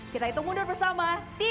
kita hitung mundur bersama